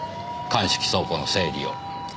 鑑識倉庫の整理を。